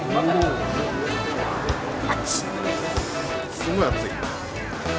すごい熱い。